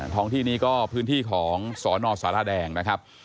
ท้องที่นี้ก็พื้นที่ของสนสารแดงนะครับ